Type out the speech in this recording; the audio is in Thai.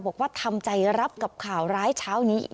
บอกว่าทำใจรับกับข่าวร้ายเช้านี้อีก